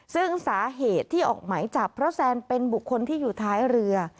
ซึ่งสาเหตุที่ออกหมายจับเพราะแซนเป็นบุคคลที่อยู่ท้ายเรือ